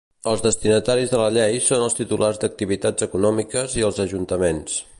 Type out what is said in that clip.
Els destinataris de la llei són els titulars d'activitats econòmiques i els ajuntaments.